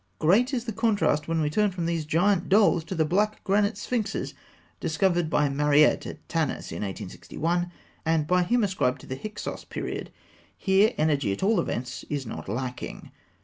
Great is the contrast when we turn from these giant dolls to the black granite sphinxes discovered by Mariette at Tanis in 1861, and by him ascribed to the Hyksos period. Here energy, at all events, is not lacking.